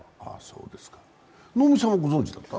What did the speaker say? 能見さんはご存じだった？